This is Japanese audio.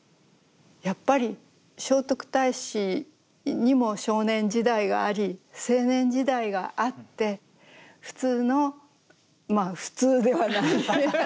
やっぱり聖徳太子にも少年時代があり青年時代があって普通のまあ普通ではない。